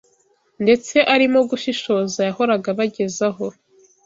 ndetse arimo gushishoza yahoraga abagezaho.